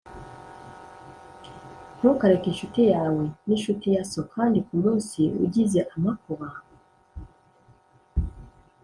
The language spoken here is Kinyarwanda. ntukareke incuti yawe ninshuti ya so kandi ku munsi ugize amakuba